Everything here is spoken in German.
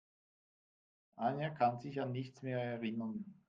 Anja kann sich an nichts mehr erinnern.